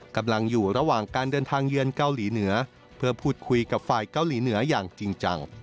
กำลังอยู่ระหว่างการเดินทางเยือนเกาหลีเหนือเพื่อพูดคุยกับฝ่ายเกาหลีเหนืออย่างจริงจัง